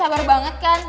sabar banget kan